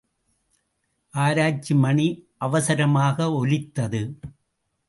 ஆராய்ச்சி மணி அவசரமாக ஒலித்தது.